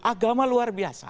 agama luar biasa